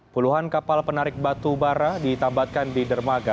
puluhan kapal penarik batubara ditambatkan di dermaga